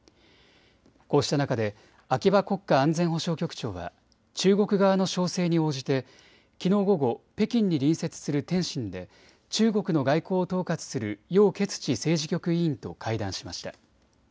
こうした中で秋葉国家安全保障局長は中国側の招請に応じてきのう午後、北京に隣接する天津で中国の外交を統括する楊潔ち政治局委員と会談しました。